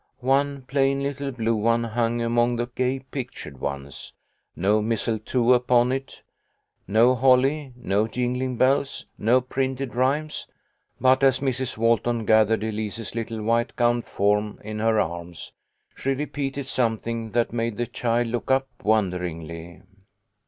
One plain little blue one hung among the gay pic 222 THE LITTLE COLONEL'S HOLIDAYS. tured ones, no mistletoe upon it, no holly, no jingling bells, no printed rhymes ; but as Mrs. Walton gath ered Elise's little white gowned form in her arms, she repeated something that made the child look up wonderingly.